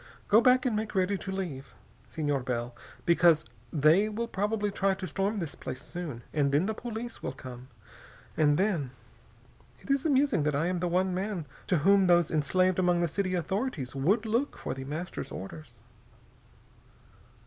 Go back and make ready to leave, Senor Bell, because they will probably try to storm this place soon, and then the police will come, and then.... It is amusing that I am the one man to whom those enslaved among the city authorities would look for The Master's orders."